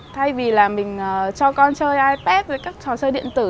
thay vì là mình cho con chơi ipad với các trò chơi điện tử